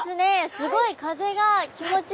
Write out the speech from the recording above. すごい風が気持ちいいですね。